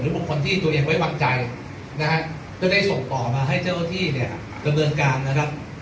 บุคคลที่ตัวเองไว้วางใจนะฮะก็ได้ส่งต่อมาให้เจ้าที่เนี่ยดำเนินการนะครับ